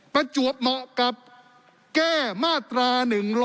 ประจวบเหมาะกับแก้มาตรา๑๑๒